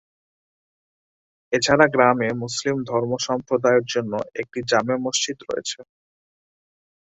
এছাড়া গ্রামে মুসলিম ধর্মসম্প্রদায়ের জন্য একটি জামে মসজিদ রয়েছে।